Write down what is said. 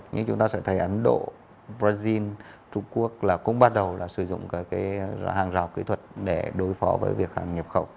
nhưng chúng ta sẽ thấy ấn độ brazil trung quốc cũng bắt đầu sử dụng hàng rào kỹ thuật để đối phó với việc hàng nhập khẩu